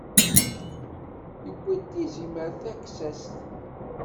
Yewwi-d tizimert taksast.